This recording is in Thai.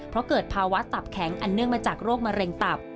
เพราะเกิดภาวะตับแข็งอันเนื่องมาจากโรคมะเร็งตับ